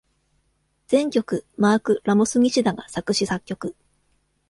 全曲マーク・ラモス・西田が作詞・作曲。